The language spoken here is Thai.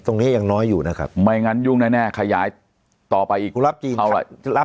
ตรงนี้ยังน้อยอยู่นะครับไม่งั้นยุ่งแน่ขยายต่อไปอีกเท่าไหร่